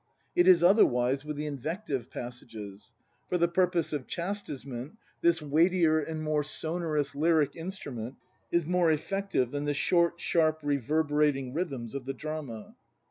It is otherwise with the invective pas sages. For the purpose of chastisement this weightier and more sonorous lyric instrument is more effective than the short, sharp reverberating rhythms of the drama.